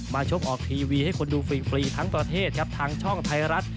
ชกออกทีวีให้คนดูฟรีทั้งประเทศครับทางช่องไทยรัฐ